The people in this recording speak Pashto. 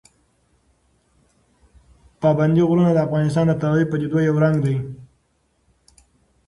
پابندي غرونه د افغانستان د طبیعي پدیدو یو رنګ دی.